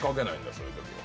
そういう時は。